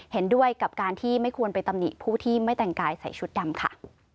เห็นด้วยกับการที่ไม่ควรไปตำหนิผู้ที่ไม่แต่งกายใส่ชุดดำค่ะ